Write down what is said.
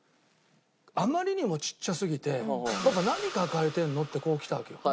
あまりにもちっちゃすぎて「パパ何抱えてるの？」ってこう来たわけよ。